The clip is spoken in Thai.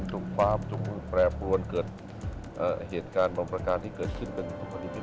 สบพรพลแปรบรวมเกิดเหตุการณ์เหมาะประการที่เกิดขึ้นเป็นครอบครีมทรีย์